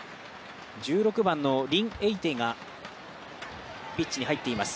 １６番のリン・エイテイがピッチに入っています。